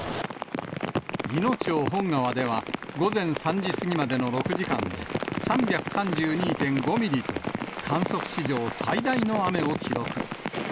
いの町本川では、午前３時過ぎまでの６時間で３３２．５ミリと、観測史上最大の雨を記録。